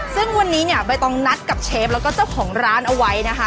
ซึ่งวันนี้เนี่ยใบตองนัดกับเชฟแล้วก็เจ้าของร้านเอาไว้นะคะ